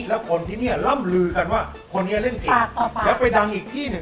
แล้วคนที่เนี้ยล้ำลือกันว่าคนนี้เล่นเก่งต่อปากแล้วไปดังอีกที่เนี้ย